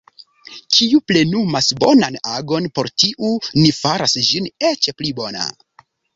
Kiu plenumas bonan agon, por tiu Ni faras ĝin eĉ pli bona.